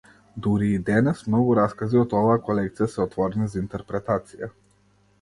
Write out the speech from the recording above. Дури и денес, многу раскази од оваа колекција се отворени за интерпретација.